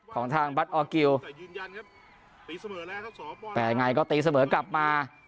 ของทางบัตรออร์กิลแต่ยังไงก็ตีเสมอกลับมา